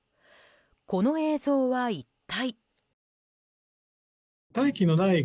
この映像は一体？